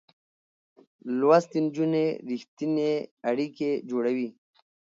لوستې نجونې رښتينې اړيکې جوړوي.